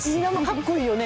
かっこいいよね。